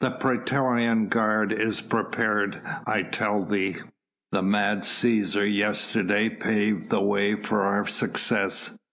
The praetorian guard is prepared I tell thee. The mad Cæsar yesterday paved the way for our success.